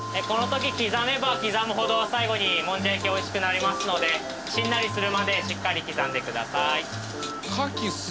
このとき刻めば刻むほど最後にもんじゃ焼きおいしくなりますのでしんなりするまでしっかり刻んでください。